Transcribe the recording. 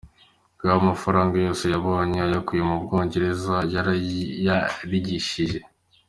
Ngo amafaranga yose yabonye ayakuye mu bongereza yarayarigishije.